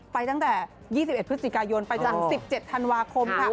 ไปตั้งแต่๒๑พฤศจิกายนไปจนถึง๑๗ธันวาคมค่ะ